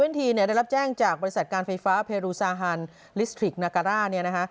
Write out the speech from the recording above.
ทีได้รับแจ้งจากบริษัทการไฟฟ้าเพรูซาฮันลิสทริกนาการ่าเนี่ยนะคะ